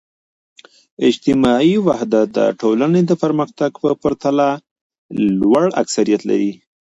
اجتماعي وحدت د ټولنې د پرمختګ په پرتله لوړ اکثریت لري.